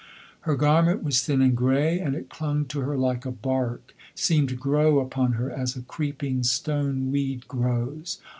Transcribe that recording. Her garment was thin and grey, and it clung to her like a bark, seemed to grow upon her as a creeping stone weed grows.